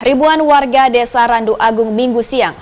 ribuan warga desa randu agung minggu siang